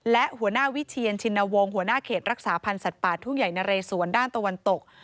และหัวหน้าวิเชียนชินวงศ์หัวหน้าเขตรักษาพันธ์สัตว์ป่าทุ่งใหญ่นะเรสวนด้านตะวันตก